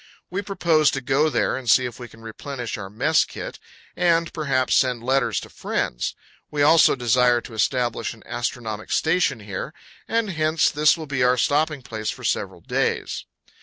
We propose to go there and see if we can replenish our mess kit, and perhaps send letters to friends. We also desire to establish an astronomic station here; and hence this will be our stopping place for several days.